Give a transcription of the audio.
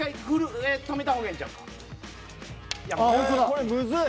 これむずい！